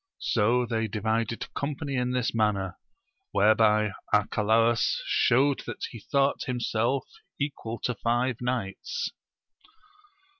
So they divided company in this manner, whereby Arcalaus showed that he thought himself equal to five knights.